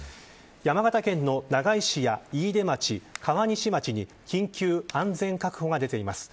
山形県の長井市や飯豊町川西町に緊急安全確保が出ています。